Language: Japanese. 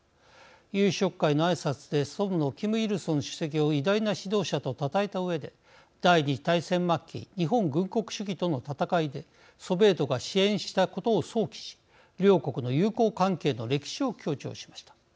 夕食会のあいさつで祖父のキム・イルソン主席を偉大な指導者とたたえたうえで第二次大戦末期日本軍国主義との戦いでソビエトが支援したことを想起し両国の友好関係の歴史を強調しました。